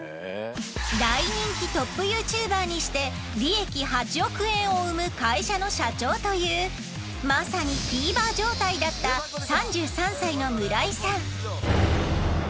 大人気トップＹｏｕＴｕｂｅｒにして利益８億円を生む会社の社長というまさにフィーバー状態だった３３歳のむらいさん。